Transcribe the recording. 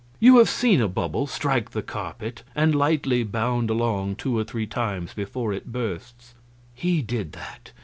You have seen a bubble strike the carpet and lightly bound along two or three times before it bursts. He did that.